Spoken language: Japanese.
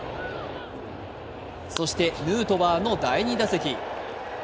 そしてヌートバーの第２打席。